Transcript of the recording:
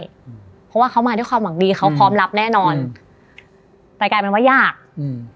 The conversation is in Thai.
เพราะว่าเขามาด้วยความหวังดีเขาพร้อมรับแน่นอนแต่กลายเป็นว่ายากอืม